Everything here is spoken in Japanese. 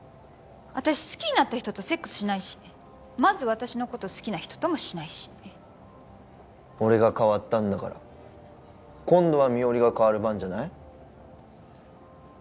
私好きになった人とセックスしないしまず私のこと好きな人ともシないし俺が変わったんだから今度は美織が変わる番じゃない？